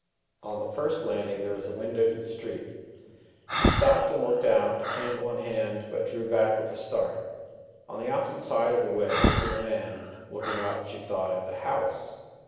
On the first landing there was a window to the street. She stopped and looked out, candle in hand, but drew back with a start: on the opposite side of the way stood a man, looking up, she thought, at the house!